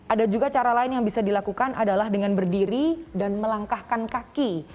ada juga cara lain yang bisa dilakukan adalah dengan berdiri dan melangkahkan kaki